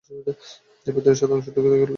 ভেতরের সাদা অংশটুকু দেখা গেল শুধু।